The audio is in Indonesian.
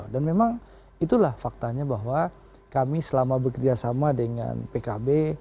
dan memang itulah faktanya bahwa kami selama bekerjasama dengan pkb